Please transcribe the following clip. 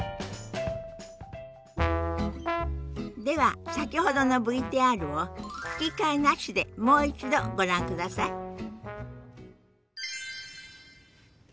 では先ほどのＶＴＲを吹き替えなしでもう一度ご覧ください。